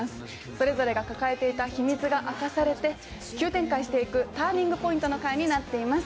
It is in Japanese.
それぞれが抱えていた秘密が明かされて、急展開していくターニングポイントの回になっています。